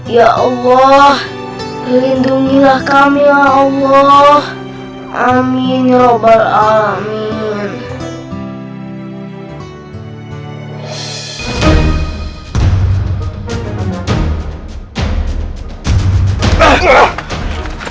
ya allah lindungilah kami allah amin ya allah amin